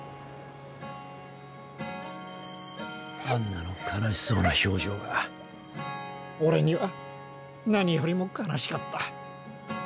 アンナの悲しそうな表情がオレには何よりも悲しかった。